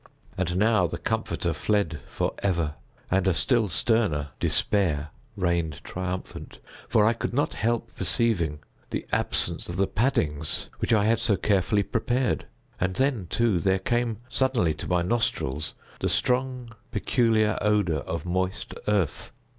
And now the Comforter fled for ever, and a still sterner Despair reigned triumphant; for I could not help perceiving the absence of the paddings which I had so carefully prepared—and then, too, there came suddenly to my nostrils the strong peculiar odor of moist earth.